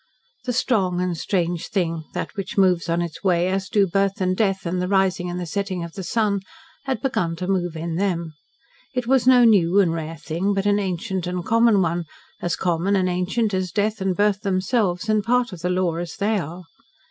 The strong and strange thing that which moves on its way as do birth and death, and the rising and setting of the sun had begun to move in them. It was no new and rare thing, but an ancient and common one as common and ancient as death and birth themselves; and part of the law as they are.